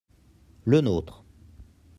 le nôtre.